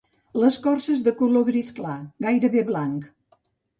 L'escorça és de color gris clar, gairebé blanc.